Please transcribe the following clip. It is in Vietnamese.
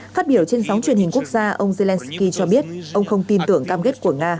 phát biểu trên sóng truyền hình quốc gia ông zelensky cho biết ông không tin tưởng cam kết của nga